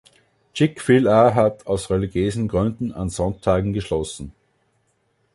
Chick-fil-A hat aus religiösen Gründen an Sonntagen geschlossen.